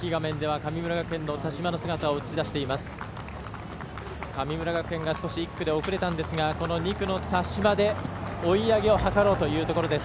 神村学園が１区で遅れたんですが２区の田島で追い上げを図ろうというところです。